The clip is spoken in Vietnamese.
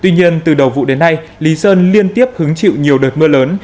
tuy nhiên từ đầu vụ đến nay lý sơn liên tiếp hứng chịu nhiều đợt mưa lớn